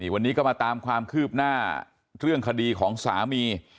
วันนี้ก็มาตามความคืบหน้าเรื่องคดีของสามี